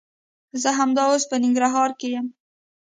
زه همدا اوس په ننګرهار کښي يم.